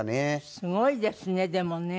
すごいですねでもね。